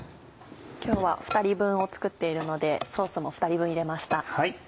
今日は２人分を作っているのでソースも２人分入れました。